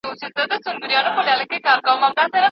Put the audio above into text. ګړی وروسته یې کرار سوله دردوونه